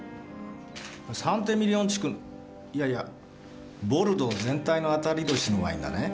サンテミリオン地区のいやいやボルドー全体の当たり年のワインだね。